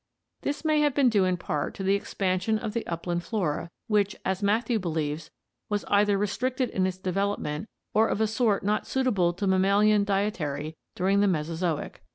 This may have been due in part to the expansion of the upland flora which, as Matthew believes, was either restricted in its development or of a sort not suitable to mammalian dietary during the Meso zoic.